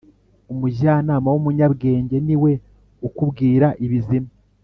umujyanama w umunyabwenge niwe ukubwira ibizima